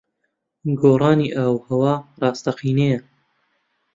گۆڕانی ئاووھەوا ڕاستەقینەیە.